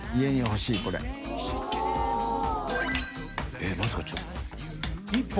えっまさかちょっと１本！？